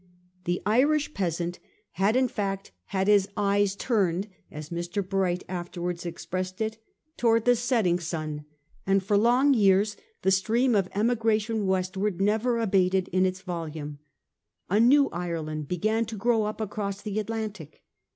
The Irish peasant had 424 A HISTORY OF OUR OWN TIMES. on. xto. in fact had his eyes turned, as Mr. Bright afterwards expressed it, towards the setting sun, and for long years the stream of ^migration westward never abated in its volume. A new Ireland began to grow up across the Atlantic.